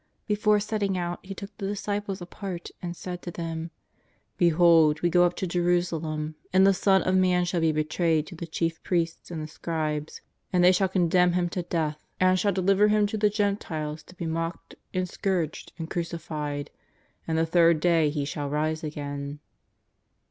Before setting out, He took the disciples apart and said to them: ^'Behold, we go up to Jerusalem, and the Son of Man shall be betrayed to the chief priests and the scribes, and they shall condemn Him to death, and shall deliver Him to the Gentiles to be mocked, and scourged, and crucified, and the third day He shall rise again."